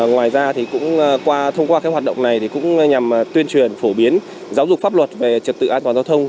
ngoài ra thông qua hoạt động này cũng nhằm tuyên truyền phổ biến giáo dục pháp luật về trật tự an toàn giao thông